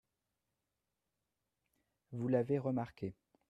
Vous l’avez remarqué.